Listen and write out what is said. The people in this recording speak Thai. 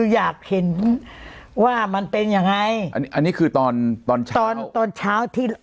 อยากเห็นว่ามันเป็นยังไงอันนี้อันนี้คือตอนตอนเช้าตอนตอนเช้าที่